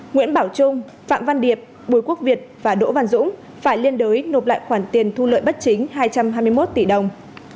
nguyễn bảo trung phạm văn điệp bùi quốc việt và đỗ văn dũng phải liên đối nộp lại khoản tiền thu lợi bất chính hai trăm hai mươi một tỷ đồng